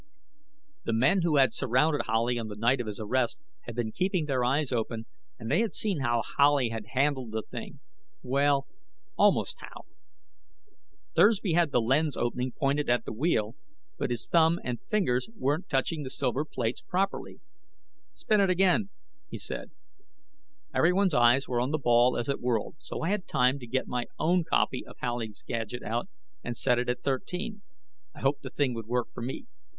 The men who had surrounded Howley on the night of his arrest had been keeping their eyes open, and they had seen how Howley had handled the thing. Well almost how. Thursby had the lens opening pointed at the wheel, but his thumb and fingers weren't touching the silver plates properly. "Spin it again," he said. Everyone's eyes were on the ball as it whirled, so I had time to get my own copy of Howley's gadget out and set it at Thirteen. I hoped the thing would work for me.